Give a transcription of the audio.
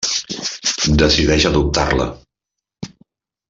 Decideix adoptar-la.